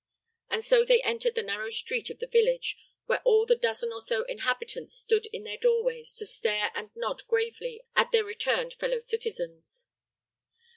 And so they entered the narrow street of the village, where all the dozen or so inhabitants stood in their doorways to stare and nod gravely at their returned fellow citizens.